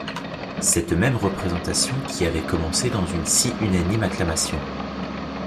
Cette même représentation qui avait commencé dans une si unanime acclamation!